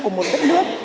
của một đất nước